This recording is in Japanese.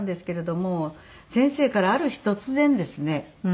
先生からある日突然ですね